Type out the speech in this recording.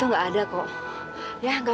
enggak enggak enggak